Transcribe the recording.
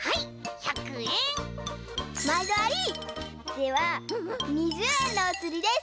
では２０えんのおつりです。